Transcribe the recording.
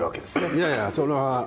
いやいや、それは。